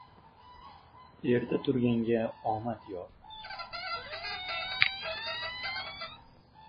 • Erta turganga omad yor.